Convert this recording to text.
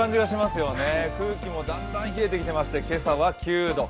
空気もだんだん冷えてきていまして、今朝は９度。